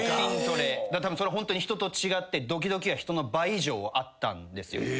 ホントに人と違ってドキドキは人の倍以上あったんですよ。